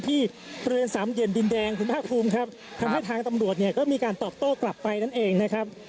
ที่บริเวณสามเหลี่ยนดินแดงคุณภาคภูมิครับทำให้ทางตำรวจเนี่ยก็มีการตอบโต้กลับไปนั่นเองนะครับ